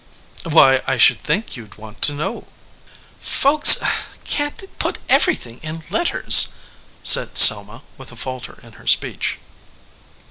"Why, I should think you d want to know." "Folks can t put everything in letters," said Selma, with a falter in her speech.